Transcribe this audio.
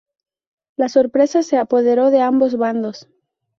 La sorpresa se apoderó de ambos bandos.